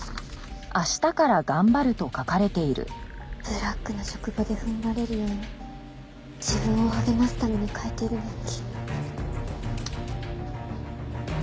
ブラックな職場で踏ん張れるように自分を励ますために書いてる日記。